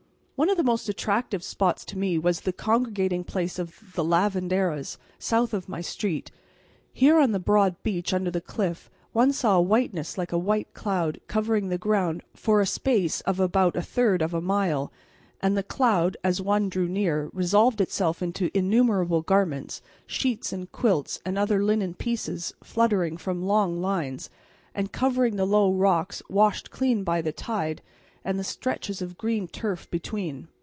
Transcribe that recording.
One of the most attractive spots to me was the congregating place of the lavanderas, south of my street. Here on the broad beach under the cliff one saw a whiteness like a white cloud, covering the ground for a space of about a third of a mile; and the cloud, as one drew near, resolved itself into innumerable garments, sheets and quilts, and other linen pieces, fluttering from long lines, and covering the low rocks washed clean by the tide and the stretches of green turf between.